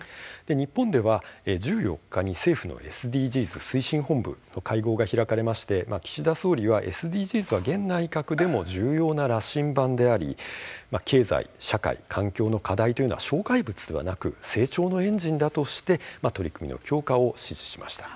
日本では、１４日に政府のＳＤＧｓ推進本部の会合が開かれまして、岸田総理はＳＤＧｓは現内閣でも重要な羅針盤であり経済・社会・環境の課題というのは障害物ではなく成長のエンジンだとして取り組みの強化を指示しました。